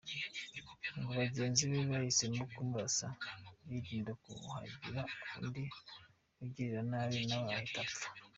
Ngo bagenzi be bahisemo kumurasa birinda ko hagira undi agirira nabi nawe ahita apfa.